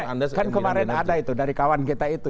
karena kemarin ada itu dari kawan kita itu